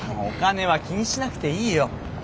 お金は気にしなくていいよ。